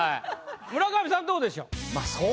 村上さんどうでしょう？